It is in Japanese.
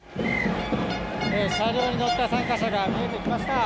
車両に乗った参加者が見えてきました。